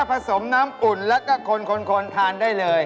เฮ่ยถ้าผสมน้ำอุ่นแล้วก็คนคนทานได้เลย